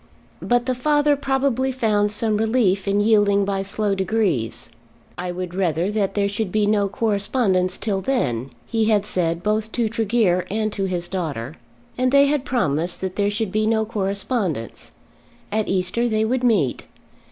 But the father probably found some relief in yielding by slow degrees. "I would rather that there should be no correspondence till then," he had said both to Tregear and to his daughter. And they had promised there should be no correspondence. At Easter they would meet.